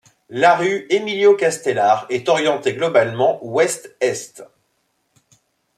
La rue Émilio-Castelar est orientée globalement ouest-est.